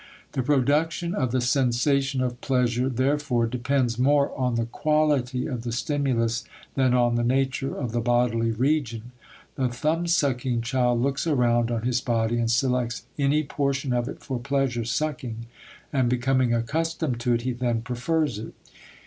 The production of the sensation of pleasure therefore depends more on the quality of the stimulus than on the nature of the bodily region. The thumbsucking child looks around on his body and selects any portion of it for pleasure sucking, and becoming accustomed to it, he then prefers it.